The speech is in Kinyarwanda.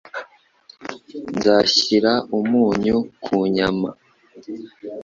Nzashyira umunyu ku nyama.